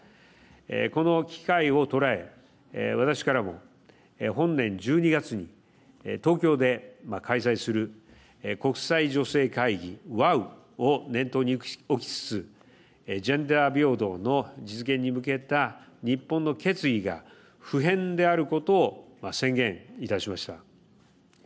この機会を捉え私からも、本年１２月に東京で開催する国際女性会議を念頭に置きつつジェンダー平等の実現に向けた日本の決意が不変であることを宣言いたしました。